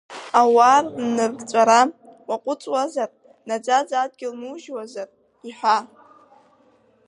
Ауаа рнырҵәара уаҟәыҵуазар, наӡаӡа адгьыл нужьуазар, иҳәа…